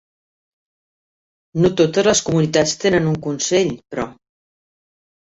No totes les comunitats tenen un consell, però.